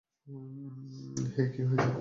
হেই, কী হয়েছে?